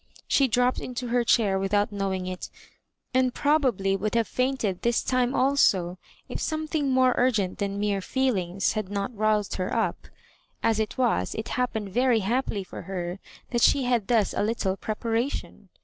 She dropped into her chair without knowing it, and probably would have fainted this time also, if something more urgent than mere ''feelings" had not roused her up. As it was, it happened very happily for her that she had thus a little preparation.